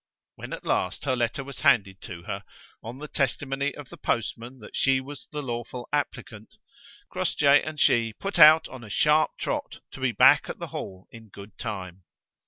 When at last her letter was handed to her, on the testimony of the postman that she was the lawful applicant, Crossjay and she put out on a sharp trot to be back at the Hall in good time.